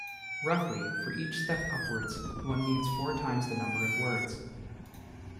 Roughly, for each step upwards, one needs four times the number of words.